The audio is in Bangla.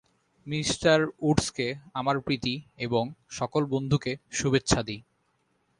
মি উডসকে আমার প্রীতি, এবং সকল বন্ধুকে শুভেচ্ছাদি।